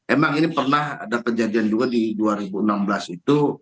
emang ini pernah ada kejadian juga di dua ribu enam belas itu